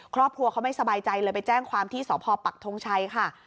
ครอบครัวเขาไม่สบายใจเลยไปแจ้งความที่สพปักทงชัยค่ะ